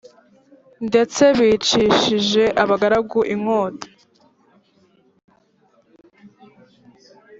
ndetse bicishije abagaragu inkota